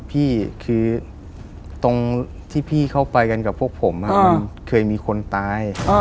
พี่คือตรงที่พี่เข้าไปกันกับพวกผมมันเคยมีคนตาย